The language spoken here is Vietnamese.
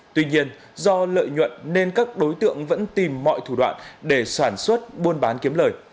tuy nhiên do lợi nhuận nên các đối tượng vẫn tìm mọi thủ đoạn để sản xuất buôn bán kiếm lời